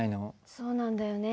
そうなんだよね。